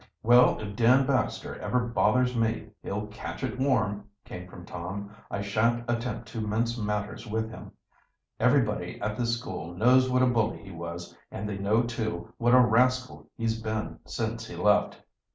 "Well, if Dan Baxter ever bothers me he'll catch it warm," came from Tom. "I shan't attempt to mince matters with him. Everybody at this school knows what a bully he was, and they know, too, what a rascal he's been since he left.